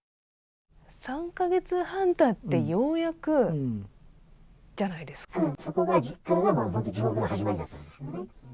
３カ月半たって、ようやくじゃないですか。